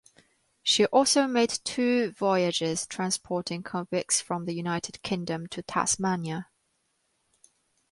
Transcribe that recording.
She also made two voyages transporting convicts from the United Kingdom to Tasmania.